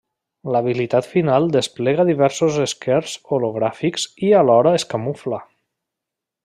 L'habilitat final desplega diversos esquers hologràfics i alhora es camufla.